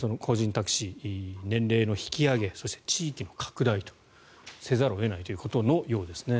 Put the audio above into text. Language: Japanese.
タクシー年齢の引き上げそして地域の拡大をせざるを得ないということのようです。